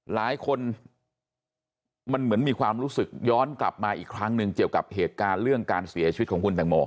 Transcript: หลายคนมันเหมือนมีความรู้สึกย้อนกลับมาอีกครั้งหนึ่งเกี่ยวกับเหตุการณ์เรื่องการเสียชีวิตของคุณแตงโม